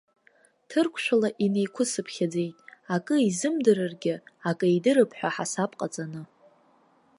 Ҭырқәшәала инеиқәысыԥхьаӡеит, акы изымдырыргьы, акы идырып ҳәа ҳасаб ҟаҵаны.